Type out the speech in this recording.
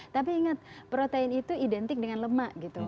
tapi ingat protein itu identik dengan lemak gitu